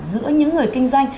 giữa những người kinh doanh